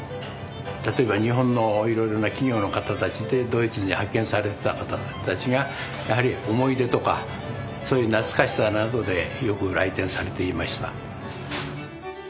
例えば日本のいろいろな企業の方たちでドイツに派遣されてた方たちがやはり思い出とかそういう懐かしさなどでよく来店されていました。